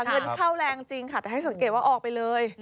เงินเข้าแรงจริงค่ะแต่ให้สังเกตว่าออกไปเลย